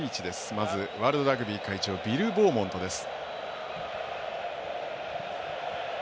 まず、ワールドラグビー会長ビル・ボーモントです。